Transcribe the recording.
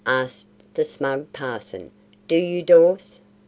asked the smug parson, "do you, Dawes?"